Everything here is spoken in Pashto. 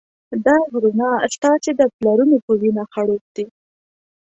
دا غرونه ستاسې د پلرونو په وینه خړوب دي.